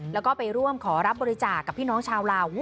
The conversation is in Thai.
แล้วก็ไปร่วมขอรับบริจาคกับพี่น้องชาวลาว